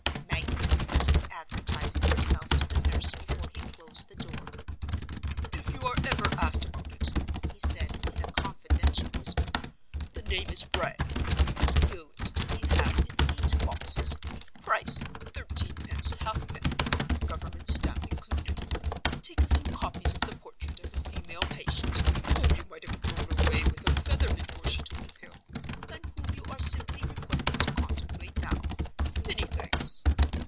Magdalen heard him advertising himself to the nurse before he closed the door. "If you are ever asked about it," he said, in a confidential whisper, "the name is Wragge, and the Pill is to be had in neat boxes, price thirteen pence half penny, government stamp included. Take a few copies of the portrait of a female patient, whom you might have blown away with a feather before she took the Pill, and whom you are simply requested to contemplate now. Many thanks.